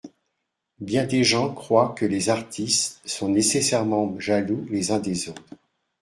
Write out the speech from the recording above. Bien des gens croient que les artistes sont nécessairement jaloux les uns des autres.